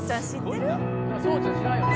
そうちゃん知らんよな